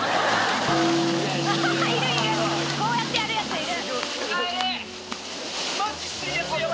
こうやってやるヤツいる。